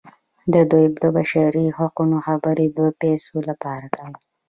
دوی د بشري حقونو خبرې د پیسو لپاره کوي.